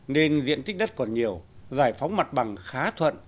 nên diện tích đất còn nhiều giải phóng mặt bằng khá thuận